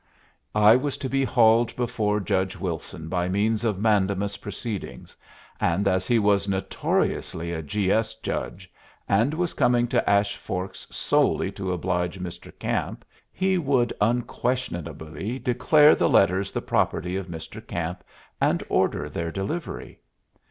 I was to be hauled before Judge Wilson by means of mandamus proceedings, and, as he was notoriously a G. S. judge, and was coming to Ash Forks solely to oblige Mr. Camp, he would unquestionably declare the letters the property of Mr. Camp and order their delivery.